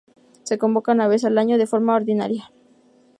Se convoca una vez al año de forma ordinaria.